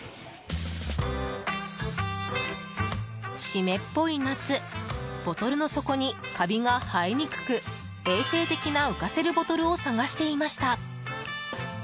湿っぽい夏ボトルの底にカビが生えにくく衛生的な浮かせるボトルを探していました。